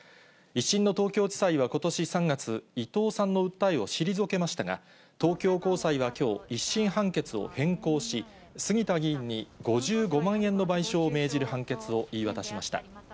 １審の東京地裁はことし３月、伊藤さんの訴えを退けましたが、東京高裁はきょう、１審判決を変更し、杉田議員に５５万円の賠償を命じる判決を言い渡しました。